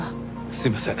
すいません。